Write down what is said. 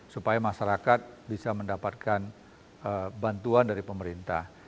supaya masyarakat bisa mendapatkan bantuan dari pemerintah